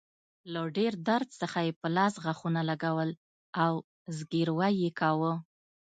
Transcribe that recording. له ډیر درد څخه يې په لاس غاښونه لګول او زګیروی يې کاوه.